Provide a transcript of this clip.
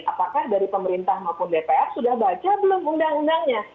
apakah dari pemerintah maupun dpr sudah baca belum undang undangnya